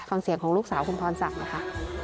คำเสียงของลูกสาวคุณพรสักฮ์นะคะ